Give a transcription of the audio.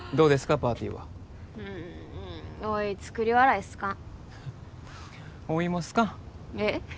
パーティーはうーんおい作り笑い好かんおいも好かんえっ？